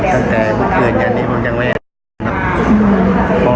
ตั้งแต่เกือบอย่างนี้ผมยังไม่อยากให้เกือบ